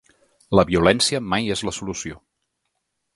La violència mai és la solució.